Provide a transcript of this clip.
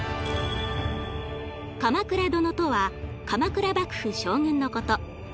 鎌倉殿とは鎌倉幕府将軍のこと。